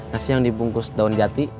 nasi yang dibungkus daun jati